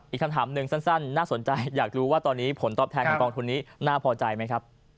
อีกคำถามหนึ่งสั้นน่าสนใจอยากรู้ว่าตอนนี้ผลตอบแทนของกองทุนนี้น่าพอใจไหมครับ